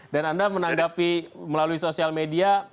dan anda menanggapi melalui sosial media